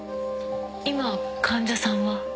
今患者さんは？